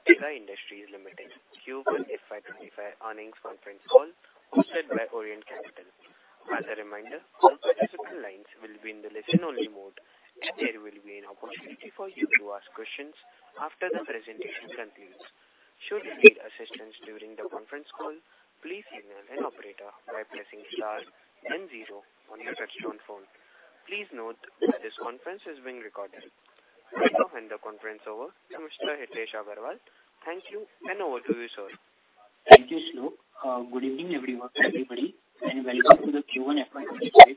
Welcome to the Tega Industries Limited Q1 FY 2025 earnings conference call hosted by Orient Capital. As a reminder, all participant lines will be in the listen-only mode, and there will be an opportunity for you to ask questions after the presentation concludes. Should you need assistance during the conference call, please email an operator by pressing star and zero on your touch-tone phone. Please note that this conference is being recorded. Welcome, and the conference over to Mr. Hitesh Agrawal. Thank you, and over to you, sir. Thank you, Shlok. Good evening, everybody, and welcome to the Q1 FY 2025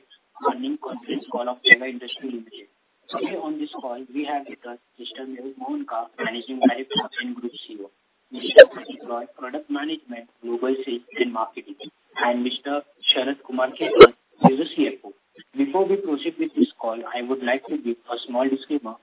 earnings conference call of Tega Industries Limited. Today on this call, we have with us Mr. Mehul Mohanka, Managing Director and Group CEO, Mr. Pratik Basu Roy, Product Management, Global Sales and Marketing, and Mr. Sharad Kumar Khaitan, who is the CFO. Before we proceed with this call, I would like to give a small disclaimer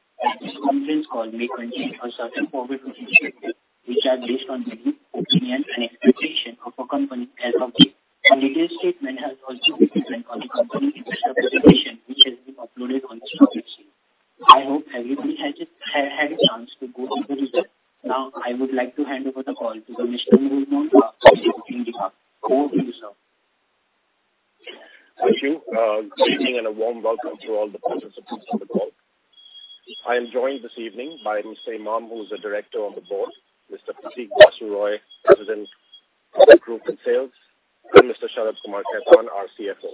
evening by Mr. Imam, who is a Director on the Board, Mr. Pratik Basu Roy, President, Product Group and Sales, and Mr. Sharad Kumar Khaitan, our CFO.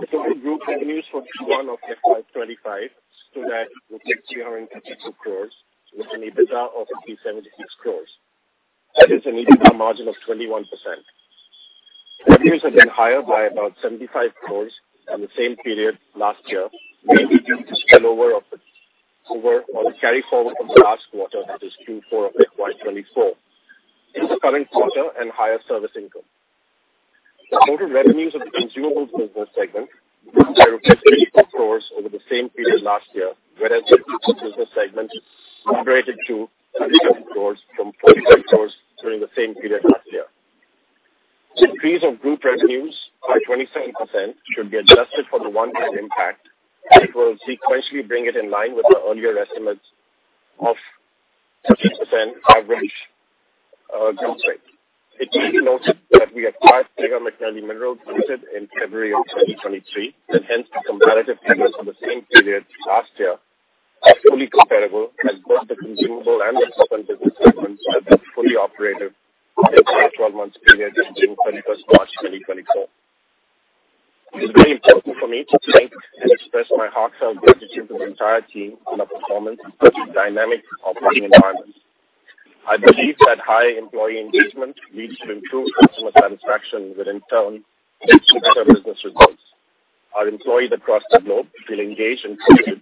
The total group revenues for Q1 of FY 2025 stood at 352 crores, with an EBITDA of 76 crores. That is an EBITDA margin of 21%. Revenues have been higher by about 75 crores in the same period last year, mainly due to the spillover of the carry forward of the last quarter, that is Q4 of FY 2024, current quarter, and higher service income. The total revenues of the consumables business segment grew by rupees 84 crores over the same period last year, whereas the equipment business segment operated to 37 crores from 45 crores during the same period last year. The increase of group revenues by 27% should be adjusted for the one-off impact, which will sequentially bring it in line with the earlier estimates of 15% average growth rate. It should be noted that we have acquired Tega McNally Minerals Limited in February of 2023, and hence the comparative figures for the same period last year are fully comparable, as both the consumable and the consumables business segments have been fully operative in the 12-month period between 31st March 2024. It is very important for me to thank and express my heartfelt gratitude to the entire team for the performance in such dynamic operating environments. I believe that high employee engagement leads to improved customer satisfaction, which in turn leads to better business results. Our employees across the globe feel engaged and committed,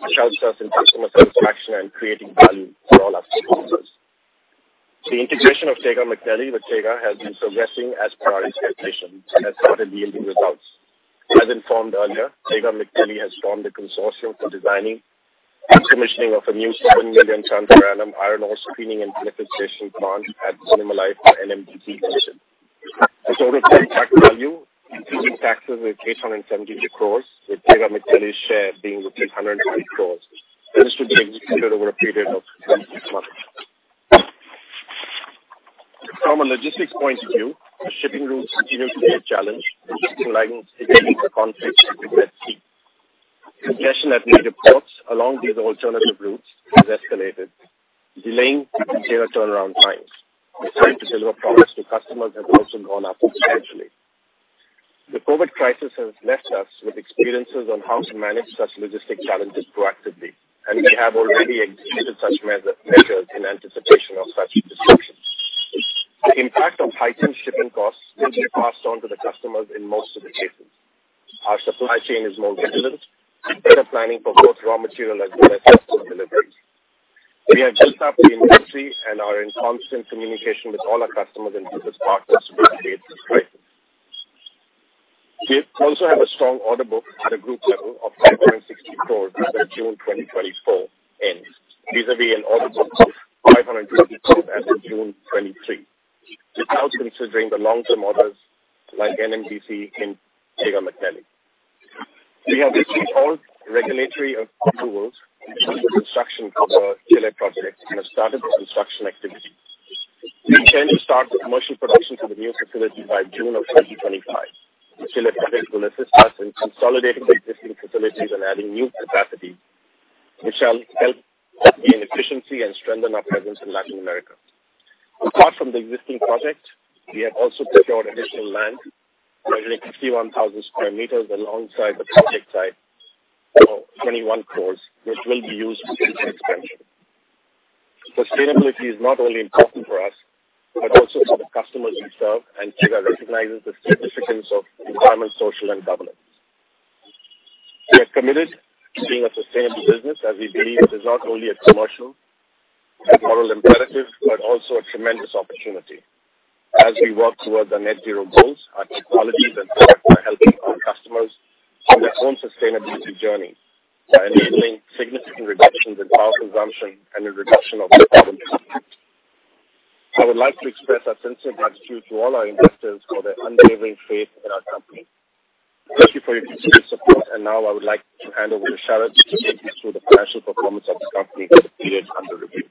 which helps us in customer satisfaction and creating value for all our customers. The integration of Tega McNally with Tega has been progressing as per our expectations, as per the yielding results. As informed earlier, Tega McNally has formed a consortium for designing and commissioning of a new 7 million ton per annum iron ore screening and beneficiation plant at Donimalai for NMDC Limited. The total contract value, including taxes, is 872 crores, with Tega McNally's share being rupees 120 crores. This should be executed over a period of 26 months. From a logistics point of view, the shipping route continues to be a challenge, with shipping lines hitting into conflicts at sea. Congestion at major ports along these alternative routes has escalated, delaying ship and tender turnaround times. The time to deliver products to customers has also gone up substantially. The COVID crisis has left us with experiences on how to manage such logistic challenges proactively, and we have already executed such measures in anticipation of such disruptions. The impact of heightened shipping costs will be passed on to the customers in most of the cases. Our supply chain is more resilient, better planning for both raw material as well as customer deliveries. We have built up the industry and are in constant communication with all our customers and business partners to mitigate these crises. We also have a strong order book at a group level of 560 crores as of June 2024 ends, vis-à-vis an order book of INR 520 crores as of June 2023, without considering the long-term orders like NMDC in Tega McNally. We have received all regulatory approvals for the construction for the Chile project and have started the construction activities. We intend to start the commercial production for the new facility by June of 2025. The Chile project will assist us in consolidating existing facilities and adding new capacity, which shall help gain efficiency and strengthen our presence in Latin America. Apart from the existing project, we have also secured additional land, measuring 51,000 sq m alongside the project site for 21 crores, which will be used for future expansion. Sustainability is not only important for us but also for the customers we serve, and Tega recognizes the significance of environmental, social, and governance. We are committed to being a sustainable business, as we believe it is not only a commercial and moral imperative but also a tremendous opportunity. As we work towards our net-zero goals, our technologies and products are helping our customers on their own sustainability journey by enabling significant reductions in power consumption and in reduction of carbon emissions. I would like to express our sincere gratitude to all our investors for their unwavering faith in our company. Thank you for your continued support, and now I would like to hand over to Sharad to take us through the financial performance of the company for the period under review.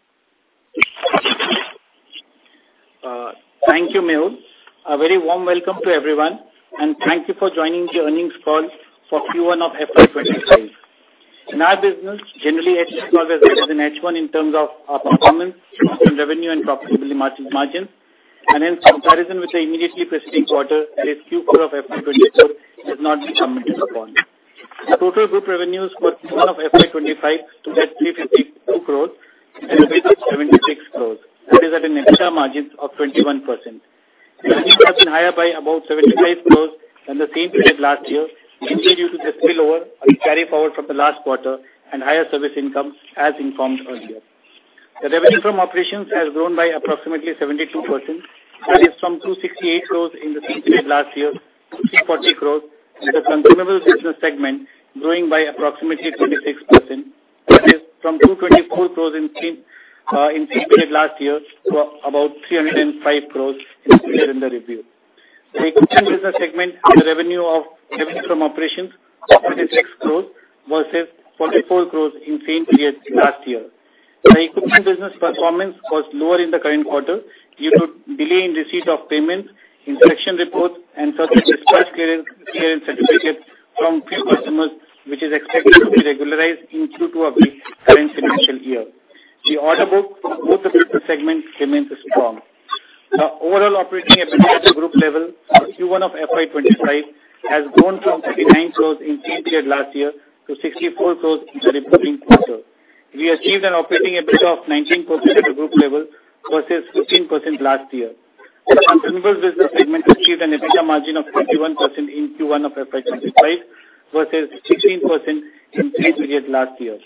Thank you, Mehul. A very warm welcome to everyone, and thank you for joining the earnings call for Q1 of FY 2025. In our business, generally, H2 has always been in H1 in terms of performance, revenue, and profitability margins, and hence, comparison with the immediately preceding quarter, this Q4 of FY 2024 has not been commented upon. The total group revenues for Q1 of FY 2025 stood at 352 crores and 76 crores, that is at an EBITDA margin of 21%. Revenues have been higher by about 75 crores than the same period last year, mainly due to the spillover of the carry forward from the last quarter and higher service incomes, as informed earlier. The revenue from operations has grown by approximately 72%, that is from 268 crores in the same period last year to 340 crores, with the consumables business segment growing by approximately 26%, that is from 224 crores in the same period last year to about 305 crores in the period under review. The equipment business segment had a revenue from operations of 36 crores versus 44 crores in the same period last year. The equipment business performance was lower in the current quarter due to delay in receipt of payments, inspection reports, and such as dispatch clearance certificates from a few customers, which is expected to be regularized in Q2 of the current financial year. The order book for both the business segments remains strong. The overall operating EBITDA at the group level for Q1 of FY 2025 has grown from 39 crores in the same period last year to 64 crores in the reporting quarter. We achieved an operating EBITDA of 19% at the group level versus 15% last year. The consumables business segment achieved an EBITDA margin of 21% in Q1 of FY 2025 versus 16% in the same period last year.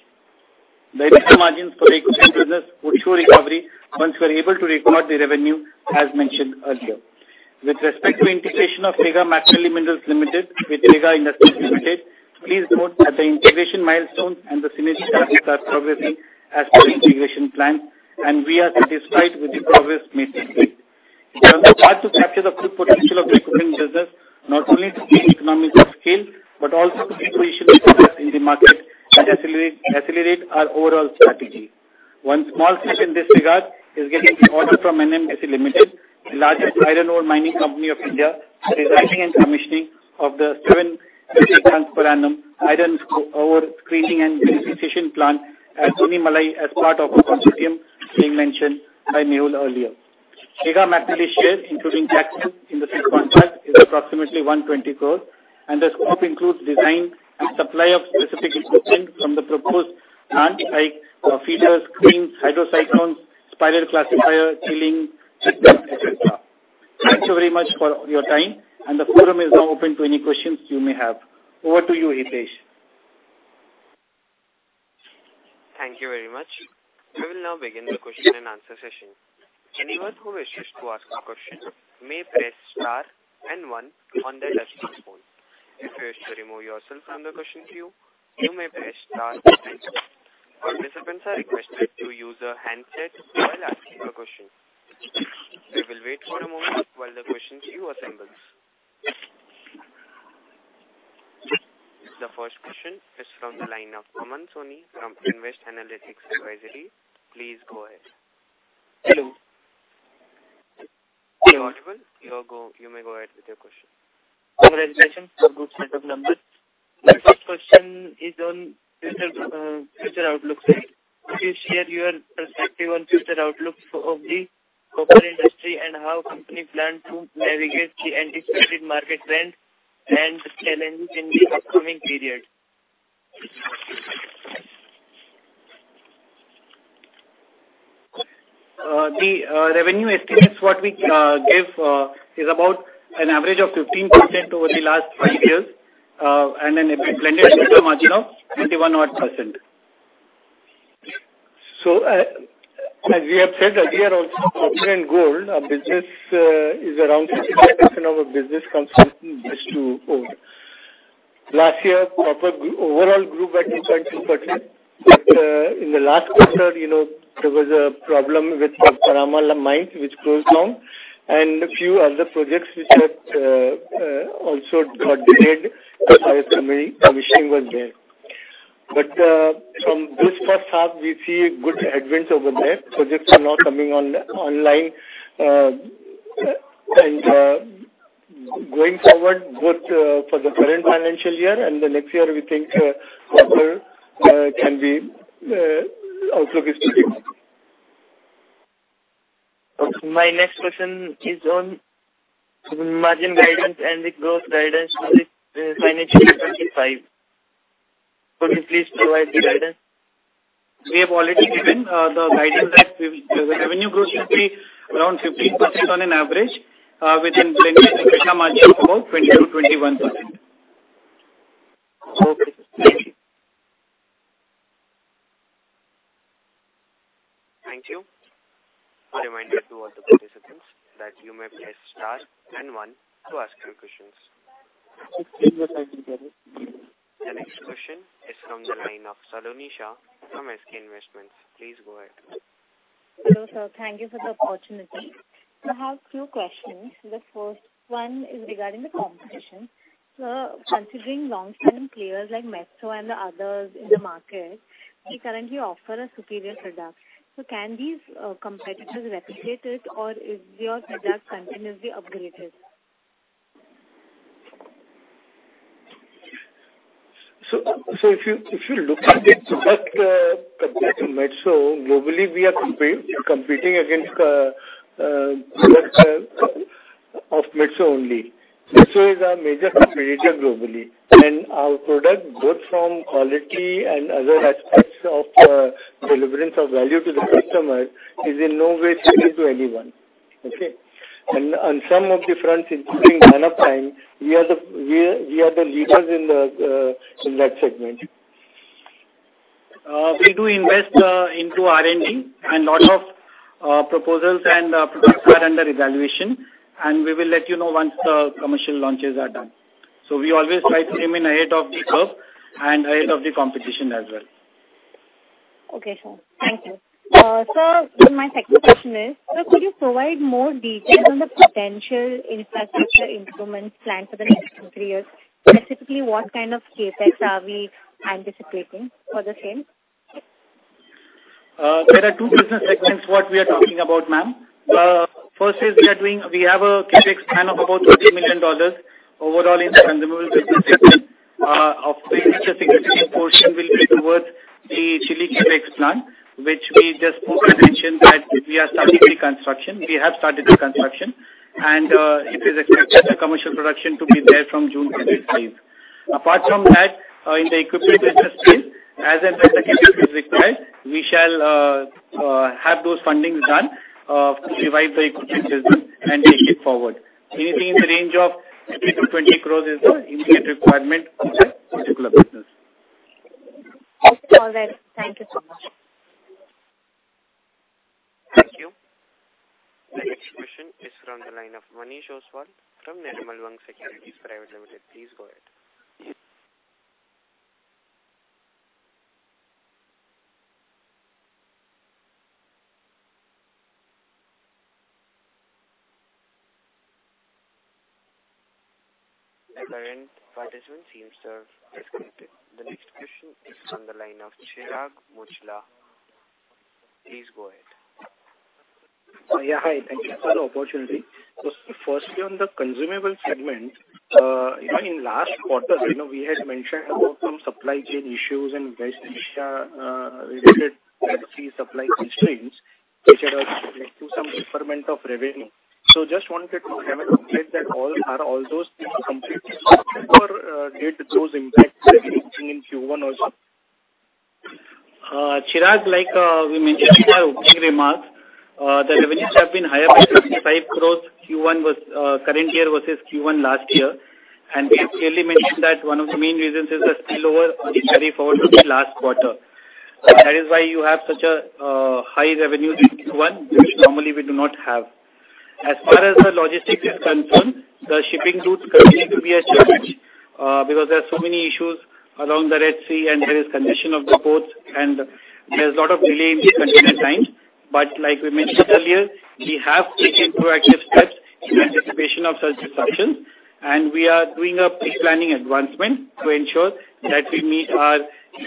The EBITDA margins for the equipment business would show recovery once we are able to record the revenue, as mentioned earlier. With respect to integration of Tega McNally Minerals Limited with Tega Industries Limited, please note that the integration milestones and the synergy challenges are progressing as per the integration plans, and we are satisfied with the progress made till date. We are on the path to capture the full potential of the equipment business, not only to increase economies of scale but also to position ourselves in the market and accelerate our overall strategy. One small step in this regard is getting the order from NMDC Limited, the largest iron ore mining company of India, for designing and commissioning of the 7 metric tons per annum iron ore screening and beneficiation plant at Donimalai as part of a consortium being mentioned by Mehul earlier. Tega McNally's share, including taxes in the said contract, is approximately 120 crores, and the scope includes design and supply of specific equipment from the proposed plant, like feeders, screens, hydrocyclones, spiral classifier, milling, etc. Thank you very much for your time, and the forum is now open to any questions you may have. Over to you, Hitesh. Thank you very much. We will now begin the question-and-answer session. Anyone who wishes to ask a question may press star and one on their desktop phone. If you wish to remove yourself from the question queue, you may press star and two. Participants are requested to use a handset while asking a question. We will wait for a moment while the question queue assembles. The first question is from the line of Aman Soni from Nvest Analytics Advisory. Please go ahead. Hello. You're audible. You may go ahead with your question. Congratulations for good setup number. The first question is on future outlooks. Could you share your perspective on future outlooks of the copper industry and how the company plans to navigate the anticipated market trends and challenges in the upcoming period? The revenue estimates what we give is about an average of 15% over the last five years and a blended EBITDA margin of 21 odd percent. So as we have said, we are also copper and gold. Our business is around 75% of our business comes from this two gold. Last year, copper overall grew by 2.2%, but in the last quarter, there was a problem with Panama Mines, which closed down, and a few other projects which had also got delayed because commissioning was there. But from this first half, we see good headwinds over there. Projects are now coming on online and going forward, both for the current financial year and the next year, we think copper's outlook is pretty good. My next question is on margin guidance and the growth guidance for the financial year 2025. Could you please provide the guidance? We have already given the guidance that the revenue growth should be around 15% on an average, within blended EBITDA margin of about 20% to 21%. Thank you. A reminder to all the participants that you may press star and one to ask your questions. The next question is from the line of Saloni Shah from SK Investments. Please go ahead. Hello, sir. Thank you for the opportunity. I have two questions. The first one is regarding the competition. Considering long-standing players like Metso and the others in the market, they currently offer a superior product. So can these competitors replicate it, or is your product continuously upgraded? So if you look at the product compared to Metso, globally, we are competing against products of Metso only. Metso is our major competitor globally, and our product, both from quality and other aspects of delivery of value to the customer, is in no way second to anyone. Okay? And on some of the fronts, including DynaPrime, we are the leaders in that segment. We do invest into R&D, and a lot of proposals and products are under evaluation, and we will let you know once the commercial launches are done. So we always try to remain ahead of the curve and ahead of the competition as well. Okay, sir. Thank you. Sir, my second question is, could you provide more details on the potential infrastructure improvements planned for the next three years? Specifically, what kind of CapEx are we anticipating for the same? There are two business segments what we are talking about, ma'am. First is we have a CapEx plan of about $30 million overall in the consumable business segment, of which a significant portion will be towards the Chile CapEx plant, which we just mentioned that we are starting the construction. We have started the construction, and it is expected that commercial production to be there from June 2025. Apart from that, in the equipment business space, as and when the CapEx is required, we shall have those fundings done to revive the equipment business and take it forward. Anything in the range of 15 crores to 20 crores is the immediate requirement for that particular business. Okay. All right. Thank you so much. Thank you. The next question is from the line of Manish Ostwal from Nirmal Bang Securities. Please go ahead. The current participant seems to have disconnected. The next question is from the line of Chirag Muchhala. Please go ahead. Yeah. Hi. Thank you for the opportunity. So firstly, on the consumable segment, in last quarter, we had mentioned about some supply chain issues and West Asia-related Red Sea supply constraints, which had also led to some deferment of revenue. So just wanted to have a look at that. Are all those completely or did those impact everything in Q1 also? Chirag, like we mentioned in our opening remarks, the revenues have been higher by 75 crores current year versus Q1 last year, and we have clearly mentioned that one of the main reasons is the spillover on the tariff order last quarter. That is why you have such a high revenue in Q1, which normally we do not have. As far as the logistics is concerned, the shipping routes continue to be a challenge because there are so many issues along the Red Sea, and there is congestion of the ports, and there's a lot of delay in the container times, but like we mentioned earlier, we have taken proactive steps in anticipation of such disruptions, and we are doing a pre-planning advancement to ensure that we meet our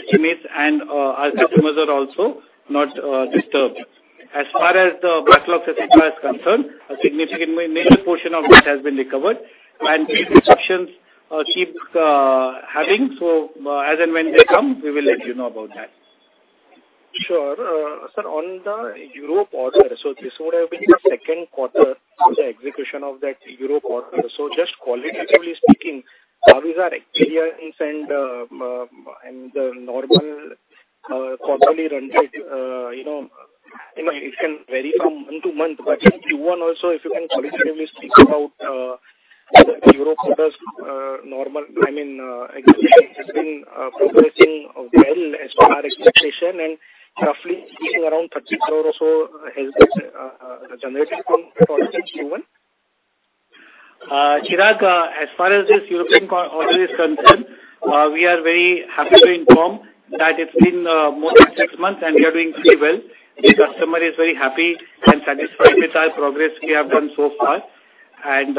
estimates and our customers are also not disturbed. As far as the backlog situation is concerned, a significant major portion of that has been recovered, and disruptions keep happening. So as and when they come, we will let you know about that. Sure. Sir, on the Europe order, so this would have been the second quarter of the execution of that Europe order. So just qualitatively speaking, how is our experience and the normal quarterly run? It can vary from month to month, but in Q1 also, if you can qualitatively speak about the Europe order's normal, I mean, execution has been progressing well as per our expectation, and roughly speaking, around 30 crores or so has been generated from Q1? Chirag, as far as this European order is concerned, we are very happy to inform that it's been more than six months, and we are doing pretty well. The customer is very happy and satisfied with our progress we have done so far, and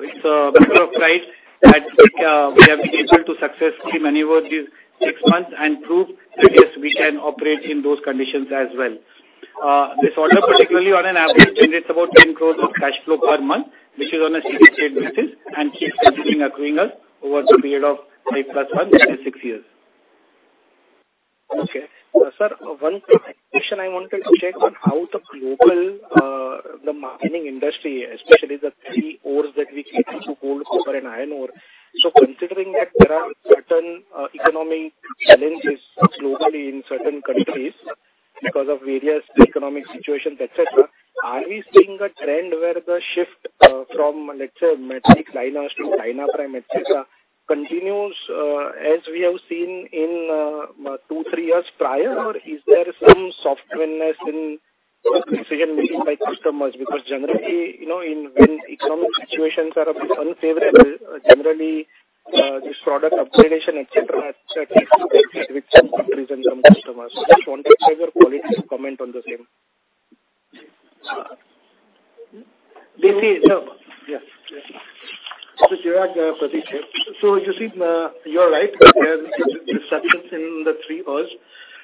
it's a matter of pride that we have been able to successfully maneuver these six months and prove that yes, we can operate in those conditions as well. This order, particularly on an average, generates about 10 crores of cash flow per month, which is on a steady state basis and keeps continuing accruing us over the period of 5 plus one, that is six years. Okay. Sir, one quick question I wanted to check on how the global mining industry, especially the three ores that we cater to, gold, copper, and iron ore. So, considering that there are certain economic challenges globally in certain countries because of various economic situations, etc., are we seeing a trend where the shift from, let's say, metallic liners to DynaPrime etc., continues as we have seen in two, three years prior, or is there some softness in decision-making by customers? Because generally, when economic situations are a bit unfavorable, generally, this product upgradation, etc., takes a backseat with some countries and some customers. Just wanted to have your colleagues to comment on the same. Yes. So, Chirag, Pratik here, so you see, you're right. There are disruptions in the three ores.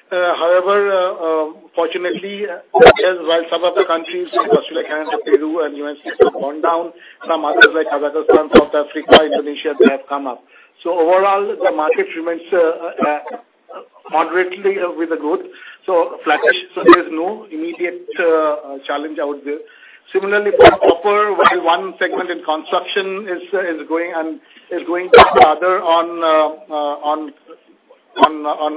However, fortunately, while some of the countries, like Australia, Canada, Peru, and US, have gone down, some others, like Kazakhstan, South Africa, Indonesia, they have come up. So overall, the market remains moderately with the growth, so flattish. So, there's no immediate challenge out there. Similarly, for copper, while one segment in construction is going up, the other on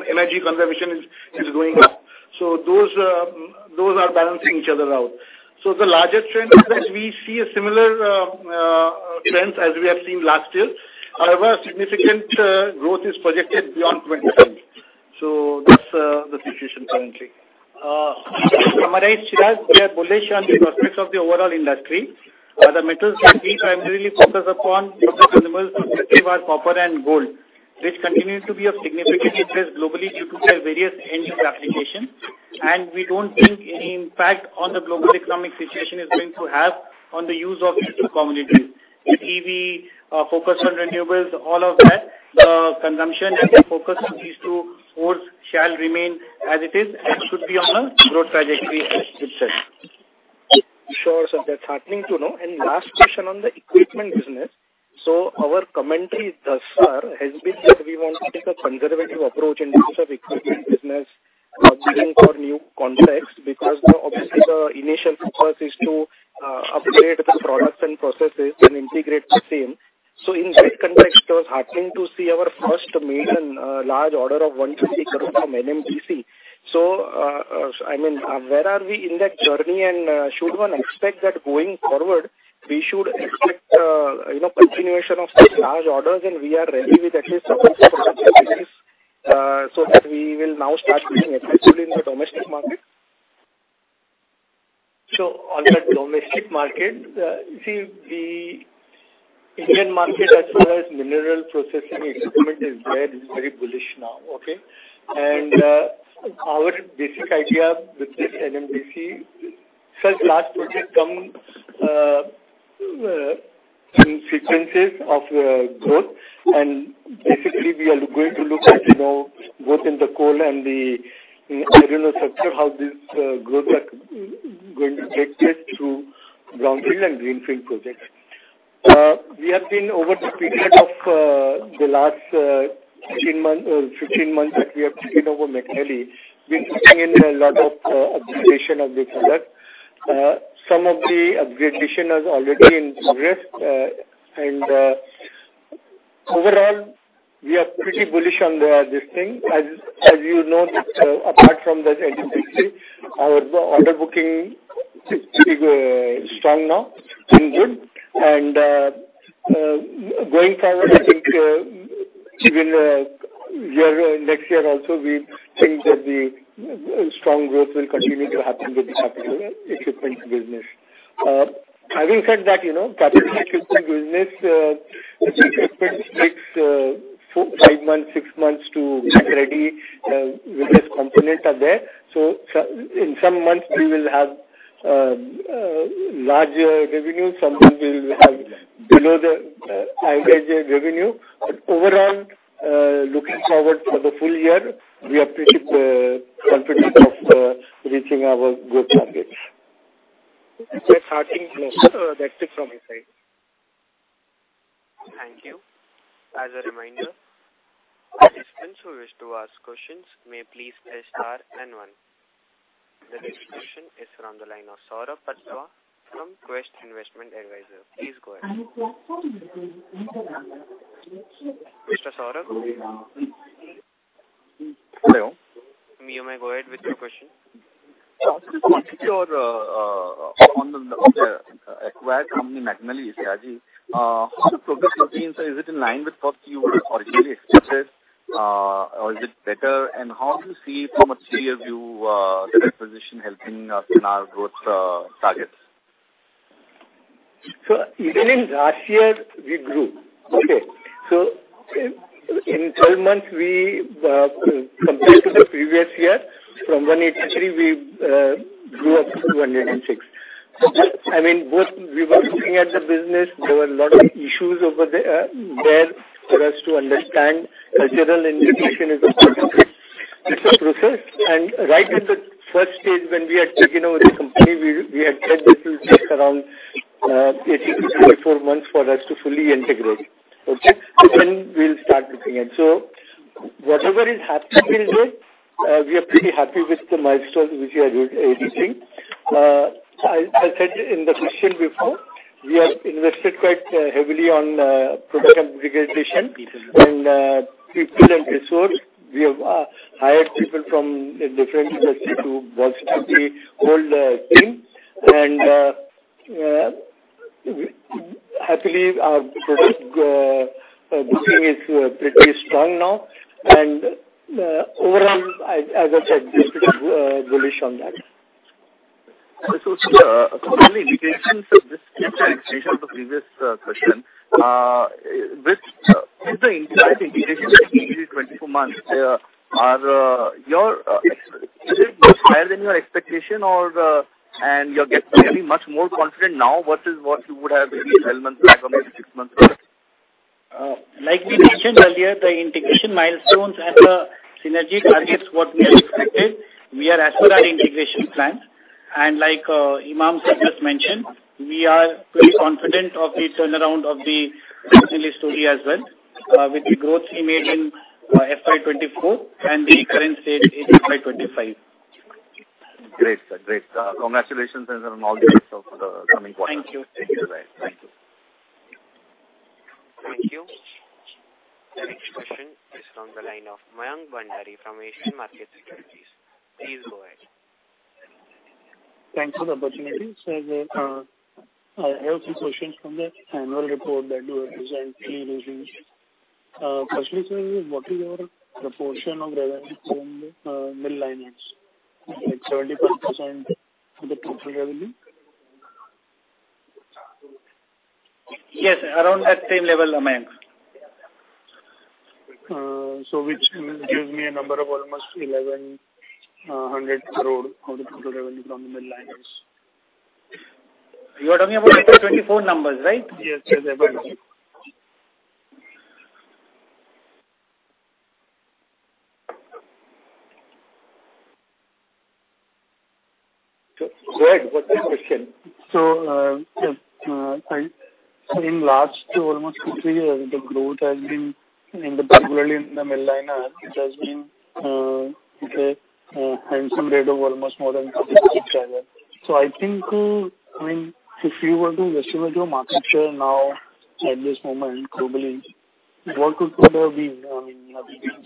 energy conservation is going up. So those are balancing each other out. So, the larger trend is that we see similar trends as we have seen last year. However, significant growth is projected beyond 2025. So that's the situation currently. To summarize, Chirag, we are bullish on the prospects of the overall industry. The metals that we primarily focus upon for the consumables are copper and gold, which continue to be of significant interest globally due to their various end-use applications, and we don't think any impact on the global economic situation is going to have on the use of these two commodities. The EV focus on renewables, all of that, the consumption and the focus on these two ores shall remain as it is and should be on a growth trajectory as itself. Sure. So that's happening too now. And last question on the equipment business. So, our commentary thus far has been that we want to take a conservative approach in terms of equipment business for new contracts because obviously the initial focus is to upgrade the products and processes and integrate the same. So, in that context, it was heartening to see our first major and large order of 120 crores from NMDC. So, I mean, where are we in that journey, and should one expect that going forward, we should expect continuation of such large orders, and we are ready with at least a few of these so that we will now start being effective in the domestic market? On the domestic market, see, the Indian market, as well as mineral processing equipment, is very bullish now. Okay? And our basic idea with this NMDC, such large projects come in sequences of growth. And basically, we are going to look at both in the coal and the iron ore sector, how this growth is going to take place through Brownfield and Greenfield projects. We have been over the period of the last 15 months that we have taken over McNally, been looking into a lot of upgradation of these others. Some of the upgradation has already been progressed. And overall, we are pretty bullish on this thing. As you know, apart from this NMDC, our order booking is pretty strong now, in good. And going forward, I think even next year also, we think that the strong growth will continue to happen with the capital equipment business. Having said that, capital equipment business, this equipment takes five months, six months to get ready, various components are there. So, in some months, we will have larger revenue. Some of them will have below the average revenue. But overall, looking forward for the full year, we appreciate the confidence of reaching our growth targets. That's heartening. That's it from my side. Thank you. As a reminder, participants who wish to ask questions may please press star and one. The next question is from the line of Saurabh Patwa from Quest Investment Advisors. Please go ahead. Mr. Saurabh? Hello. You may go ahead with your question. What is your view on the acquired company McNally Sayaji? How is the progress has been? Is it in line with what you originally expected, or is it better? How do you see, from a three-year view, the acquisition helping us in our growth targets? So even in last year, we grew. Okay? So in 12 months, compared to the previous year, from 183, we grew up to 206. I mean, both we were looking at the business. There were a lot of issues over there for us to understand. Cultural integration is a process. And right in the first stage, when we had taken over the company, we had said this will take around 18 to 24 months for us to fully integrate. Okay? Then we'll start looking at. So, whatever is happening with it, we are pretty happy with the milestones which we are reaching. As I said in the question before, we have invested quite heavily on product upgradation and people and resources. We have hired people from different industries to bolster the whole team. And happily, our product booking is pretty strong now. Overall, as I said, we're pretty bullish on that. So sir, concerning integration, this is a question from the previous question. With the entire integration taking 24 months, is it higher than your expectation, and you're getting much more confident now versus what you would have 12 months back or maybe six months ago? Like we mentioned earlier, the integration milestones and the synergy targets, what we have expected, we are as per our integration plans, and like Mr. Imam mentioned, we are pretty confident of the turnaround of the McNally story as well, with the growth we made in FY 2024 and the current stage in FY 2025. Great. Great. Congratulations on all the results for the coming quarter. Thank you. Goodbye. Thank you. Next question is from the line of Mayank Bhandari from Asian Markets Securities. Please go ahead. Thanks for the opportunity. So, I have a few questions from the annual report that you have presented recently. Firstly, what is your proportion of revenue from the mill liners, like 75% of the total revenue? Yes. Around that same level, Mayank. So which gives me a number of almost 1,100 crores of the total revenue from the mill liners. You are talking about the FY 2024 numbers, right? Yes. In the last almost two years, the growth has been particularly in the mill liners, okay, in some rate of almost more than 20% CAGR. I think, I mean, if you were to estimate your market share now at this moment globally, what would be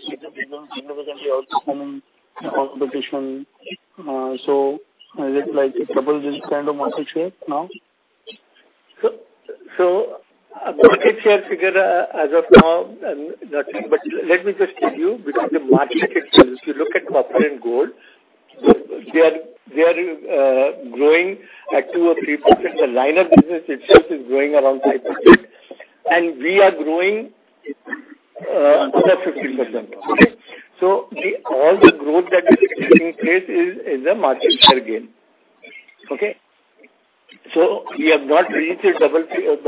significantly outstanding competition? Is it like a double-digit kind of market share now? So market share figure as of now, but let me just tell you, because the market sector, if you look at copper and gold, they are growing at 2% or 3%. The liner business itself is growing around 5%. And we are growing another 15%. Okay? So all the growth that is taking place is a market share gain. Okay? So we have not reached the double-digit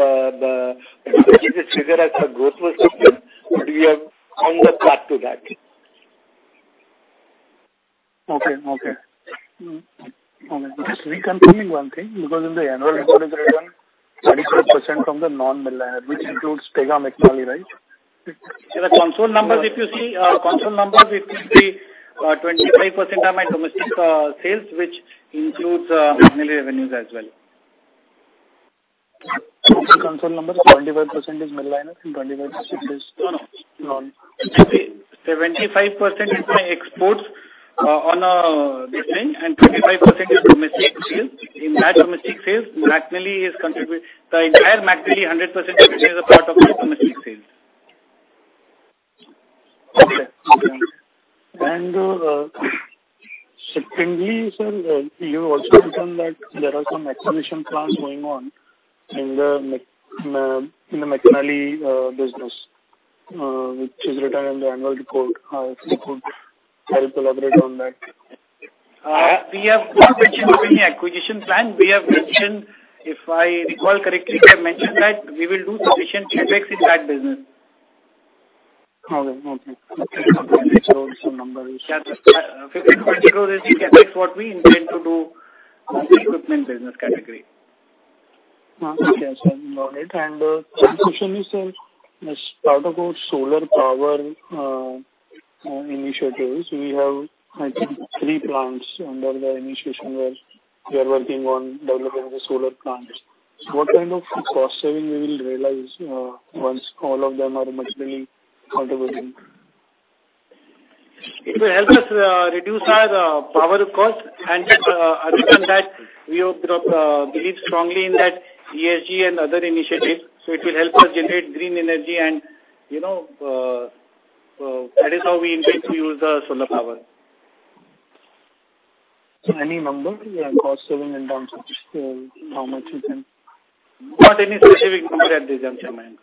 figure as our growth was expected, but we have come on the path to that. Just reconfirming one thing, because in the annual report, it's written 25% from the non-mill liner up, which includes Tega McNally, right? In the consol numbers, if you see, consol numbers, it would be 25% of my domestic sales, which includes McNally revenues as well. So total consol number, 75% is mill liners and 25% is? No. No. 75% is my exports on this thing, and 25% is domestic sales. In that domestic sales, McNally is contributing. The entire McNally, 100% of it is a part of the domestic sales. Okay. And secondly, sir, you also mentioned that there are some acquisition plans going on in the McNally business, which is written in the annual report. If you could help elaborate on that. We have not mentioned any acquisition plan. We have mentioned, if I recall correctly, we have mentioned that we will do sufficient CapEx in that business. Okay. Okay. INR 15 crore-INR 20 crores the number is. Yeah. INR 15 crore-INR 20 crores is the CapEx what we intend to do in the equipment business category. Okay. I've noted it. And additionally, sir, as part of our solar power initiatives, we have, I think, three plants under the initiation where we are working on developing the solar plants. What kind of cost saving will we realize once all of them are materially contributing? It will help us reduce our power cost. And other than that, we believe strongly in that ESG and other initiatives. So it will help us generate green energy, and that is how we intend to use the solar power. So, any number, cost saving in terms of how much you can? Not any specific number at this juncture, Mayank.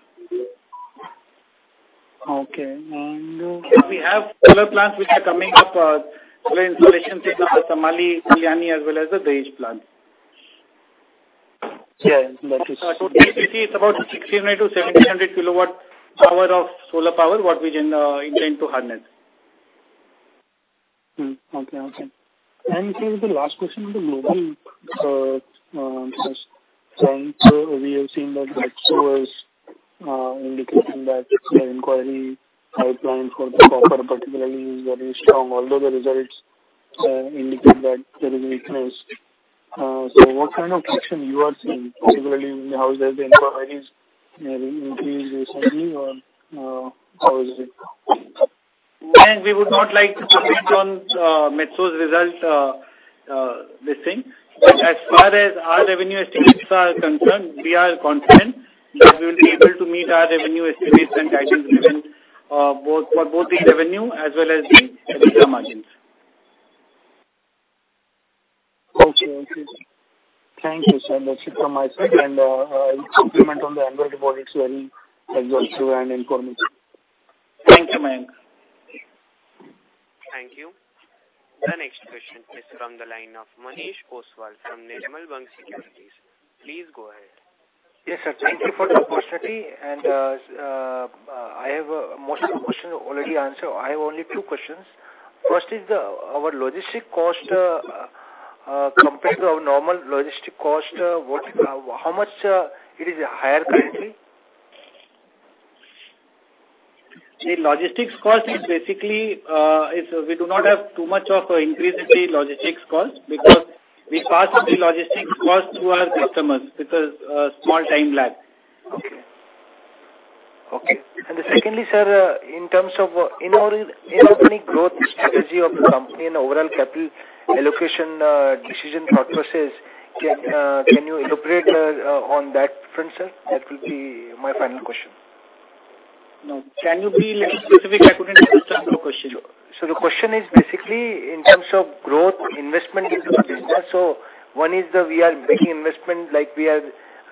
Okay. And. We have solar plants which are coming up, solar installations in Samali, Kalyani, as well as the Dahej plant. Yeah. That is. So totally, we see it's about 1,600 KWh-1,700 KWh of solar power, what we intend to harness. Okay. And this is the last question on the global trends. So we have seen that the experts indicating that the inquiry pipeline for the copper, particularly, is very strong, although the results indicate that there is a weakness. So what kind of traction you are seeing, particularly in the mines? The inquiries have increased recently, or how is it? And we would not like to comment on Metso's result, this thing. But as far as our revenue estimates are concerned, we are confident that we will be able to meet our revenue estimates and guidance for both the revenue as well as the EBITDA margins. Okay. Okay. Thank you, sir. That's it from my side, and I'll supplement on the annual report. It's very exhaustive and informative. Thank you, Mayank. Thank you. The next question is from the line of Manish Ostwal from Nirmal Bang Securities. Please go ahead. Yes, sir. Thank you for the opportunity. And I have most of the questions already answered. I have only two questions. First is our logistics cost compared to our normal logistics cost, how much it is higher currently? The logistics cost is basically we do not have too much of an increase in the logistics cost because we pass the logistics cost to our customers because of a small time lag. Okay. Okay. And secondly, sir, in terms of inorganic growth strategy of the company and overall capital allocation decision processes, can you elaborate on that, sir? That will be my final question. No. Can you be little specific? I couldn't understand your question. The question is basically in terms of growth investment in the business. One is we are making investment like we are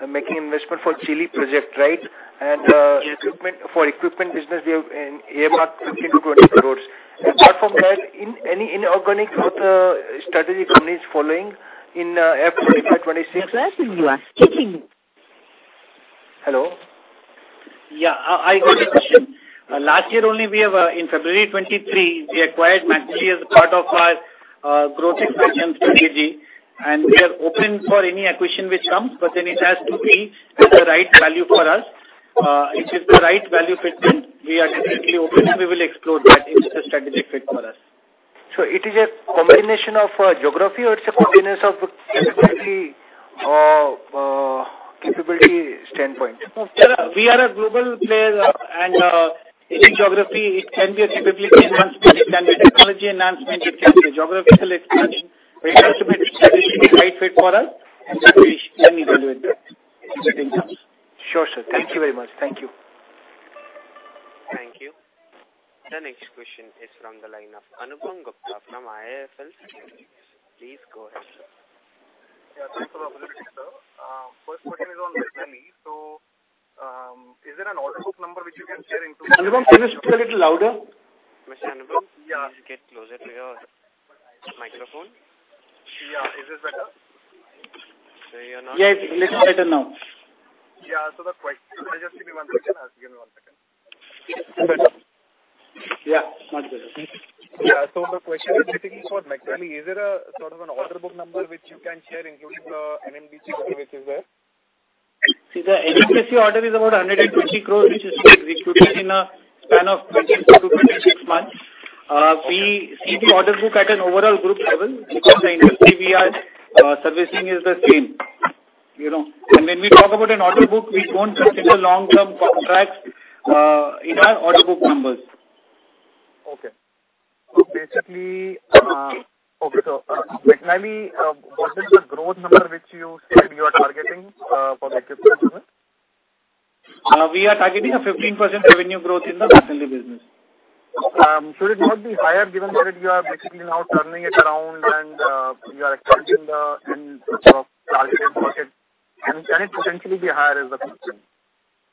making investment for Chile project, right? And for equipment business, we have an earmarked 15 crore-20 crores. Apart from that, any inorganic growth strategy company is following in FY 2025, FY26? Hello? Yeah. I got the question. Last year only, in February 2023, we acquired McNally as part of our growth expansion strategy. And we are open for any acquisition which comes, but then it has to be at the right value for us. If it's the right value fit, then we are definitely open and we will explore that if it's a strategic fit for us. So it is a combination of geography or it's a combination of capability standpoint? We are a global player, and in geography, it can be a capability enhancement. It can be technology enhancement. It can be a geographical expansion. It has to be a strategically right fit for us, and then we can evaluate if anything comes. Sure, sir. Thank you very much. Thank you. Thank you. The next question is from the line of Anupam Gupta from IIFL Securities. Please go ahead. Yeah. Thanks for the opportunity, sir. First question is on McNally. So is there an output number which you can share into? Anupam, can you speak a little louder? Mr. Anupam, please get closer to your microphone. Yeah. Is this better? Yes. It's a little better now. Yeah. So, the question. Just give me one second. Give me one second. Yeah. Not bad. Yeah. So, the question is basically for McNally. Is there a sort of an order book number which you can share, including the NMDC order which is there? See, the NMDC order is about 120 crores, which is to be executed in a span of 24-26 months. We see the order book at an overall group level because the industry we are servicing is the same. And when we talk about an order book, we don't consider long-term contracts in our order book numbers. Okay. So basically, McNally, what is the growth number which you said you are targeting for the equipment business? We are targeting a 15% revenue growth in the McNally business. Should it not be higher, given that you are basically now turning it around and you are expanding the targeted market? And can it potentially be higher is the question.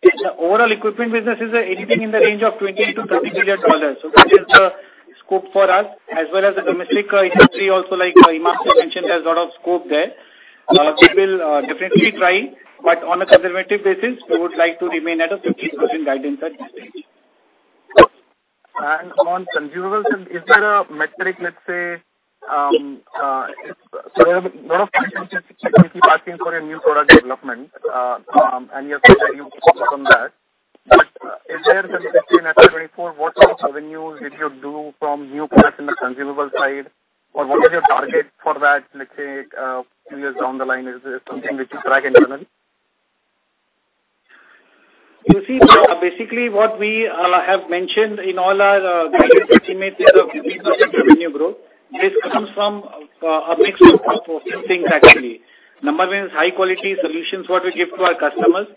The overall equipment business is anything in the range of $28 billion-$30 billion. So that is the scope for us, as well as the domestic industry also, like Mr. Imam mentioned, there's a lot of scope there. We will definitely try, but on a conservative basis, we would like to remain at a 15% guidance at this stage. On consumables, is there a metric? Let's say, so there are a lot of factors which you keep asking for your new product development, and you have said that you focus on that. But is there, let's say FY 2024? What sort of revenues did you do from new products in the consumable side, or what is your target for that, let's say, a few years down the line? Is there something which you track internally? You see, basically, what we have mentioned in all our guidance estimates is a 15% revenue growth. This comes from a mix of a few things, actually. Number one is high-quality solutions, what we give to our customers.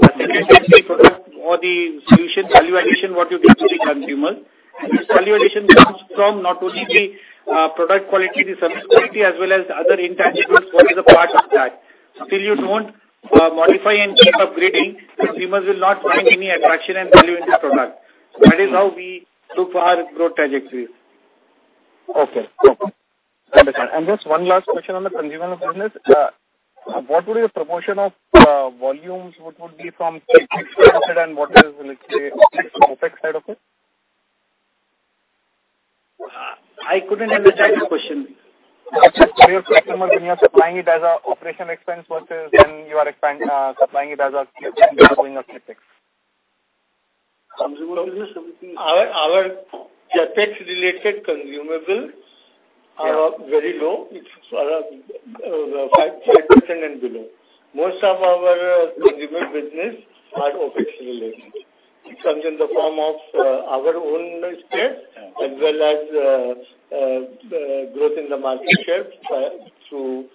Second is we provide all the solution value addition, what we give to the consumers. This value addition comes from not only the product quality, the service quality, as well as the other intangibles, what is a part of that. Until you don't modify and keep upgrading, consumers will not find any attraction and value in the product. That is how we look for our growth trajectory. Okay. Okay. Understood. And just one last question on the consumables business. What would be the proportion of volumes? What would be proportion of volumes would be from the CapEx side of it and what is let's say the OpEx side of it? I couldn't understand your question. What is for your customers when you are supplying it as an operational expense versus when you are supplying it as when we are doing a CapEx? Our CapEx-related consumables are very low, 5% and below. Most of our consumer business are OpEx-related. It comes in the form of our own shares as well as growth in the market share through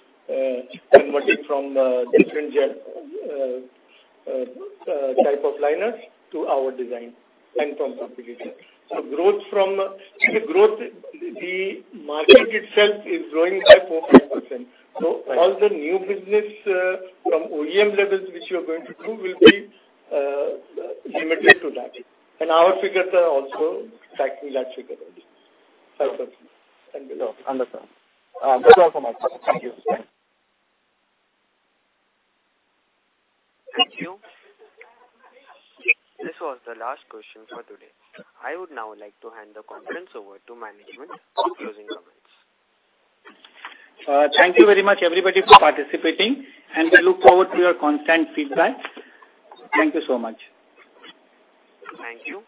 converting from different type of lineups to our design and from property. So growth from the market itself is growing by 4%-5%. So all the new business from OEM levels, which you are going to do, will be limited to that. And our figures are also tracking that figure separately. Understood. That's all from my side. Thank you. This was the last question for today. I would now like to hand the conference over to management for closing comments. Thank you very much, everybody, for participating. We look forward to your constant feedback. Thank you so much. Thank you.